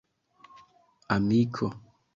amiko